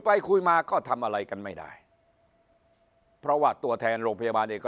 ไปคุยมาก็ทำอะไรกันไม่ได้เพราะว่าตัวแทนโรงพยาบาลเองก็